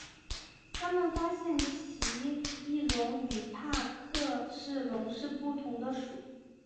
他们发现奇异龙与帕克氏龙是不同的属。